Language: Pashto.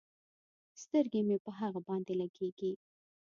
سترګې مې په هغه باندې لګېږي.